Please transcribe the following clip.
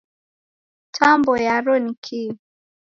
Tambo yaro nikii?